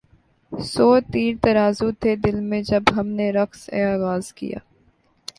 سو تیر ترازو تھے دل میں جب ہم نے رقص آغاز کیا